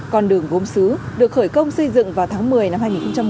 con đường gốm xứ được khởi công xây dựng vào tháng một mươi năm hai nghìn một mươi